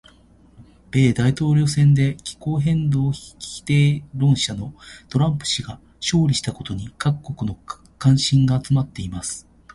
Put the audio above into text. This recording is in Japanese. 米大統領選で気候変動否定論者のトランプ氏が勝利したことに各国の関心が集まっている。